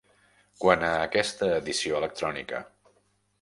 Quant a aquesta edició electrònica